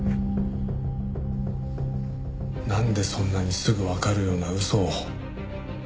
なんでそんなにすぐわかるような嘘を。